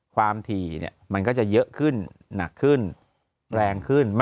ความถี่เนี่ยมันก็จะเยอะขึ้นหนักขึ้นแรงขึ้น